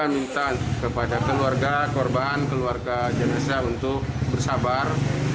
minta kepada keluarga korban keluarga jenazah untuk bersabar